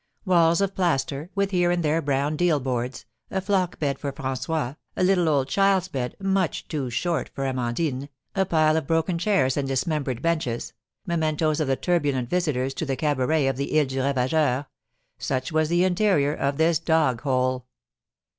Walls of plaster, with here and there brown deal boards, a flock bed for François, a little old child's bed, much too short, for Amandine, a pile of broken chairs and dismembered benches, mementoes of the turbulent visitors to the cabaret of the Isle du Ravageur, such was the interior of this dog hole.